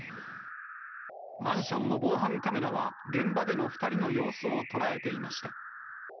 マンションの防犯カメラは、げんばでのふたりのようすを捉えていました。